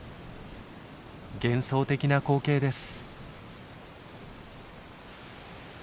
幻想的な光景です。